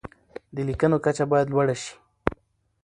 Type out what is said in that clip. د لیکنو کچه باید لوړه شي.